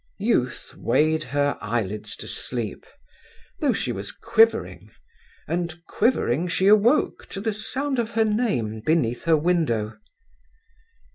Youth weighed her eyelids to sleep, though she was quivering, and quivering she awoke to the sound of her name beneath her window.